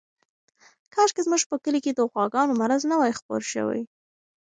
کاشکې زموږ په کلي کې د غواګانو مرض نه وای خپور شوی.